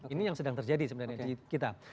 ini yang sedang terjadi sebenarnya di kita